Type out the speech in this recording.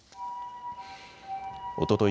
おととい